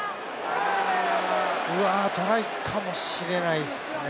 うわ、トライかもしれないですね。